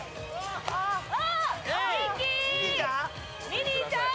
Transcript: ミニーちゃん！